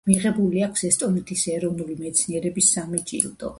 მიღებული აქვს ესტონეთის ეროვნული მეცნიერების სამი ჯილდო.